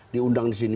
diundang di sini